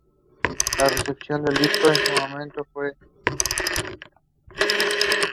They have transparent bodies and two strong structures that are used for swimming.